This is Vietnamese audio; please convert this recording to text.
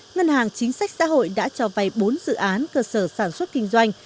ngân hàng chính sách xã hội đã cho vay bốn dự án cơ sở sản xuất kinh doanh